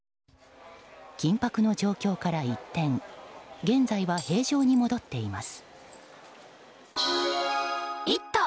緊迫の状況から一転現在は平常に戻っています。